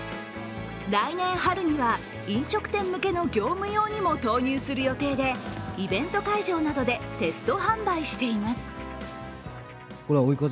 来年春には、飲食店向けの業務用にも投入する予定でイベント会場などでテスト販売しています。